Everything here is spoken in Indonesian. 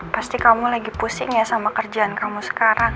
pasti kamu lagi pusing ya sama kerjaan kamu sekarang